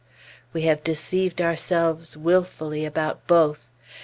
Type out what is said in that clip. We have deceived ourselves wilfully about both.